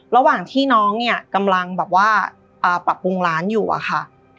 ระหว่างที่น้องเนี่ยกำลังแบบว่าปรับปรุงร้านอยู่อะค่ะ